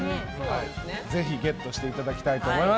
ぜひゲットしていただきたいと思います。